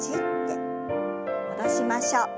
戻しましょう。